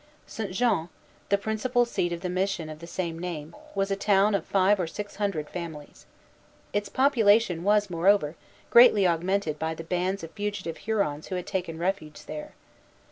St. Jean, the principal seat of the mission of the same name, was a town of five or six hundred families. Its population was, moreover, greatly augmented by the bands of fugitive Hurons who had taken refuge there.